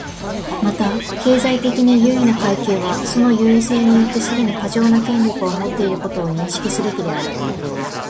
また、経済的に優位な階級はその優位性によってすでに過剰な権力を持っていることを認識すべきである。